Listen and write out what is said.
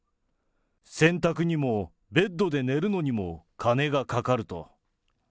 洗濯にも、ベッドで寝るのにも金がかかると。